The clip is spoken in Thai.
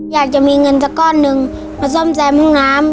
อยากจะมีเงินสักก้อนหนึ่งมาซ่อมแซมห้องน้ำ